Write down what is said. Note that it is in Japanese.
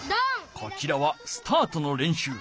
こちらはスタートのれんしゅう。